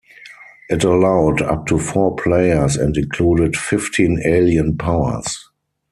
It allowed up to four players and included fifteen alien powers.